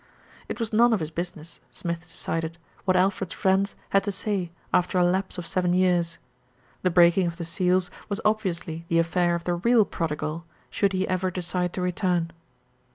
It was none of his business, Smith decided, what Alfred's friends had to say after a lapse of seven years; the breaking of the seals was obviously the affair of the real prodigal, should he ever decide to return.